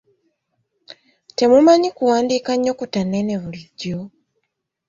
Temumanyi kuwandiika nnyukuta nnene bulijjo?